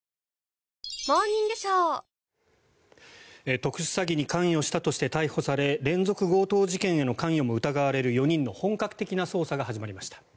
特殊詐欺に関与したとして逮捕され連続強盗事件への関与も疑われる４人の本格的な捜査が始まりました。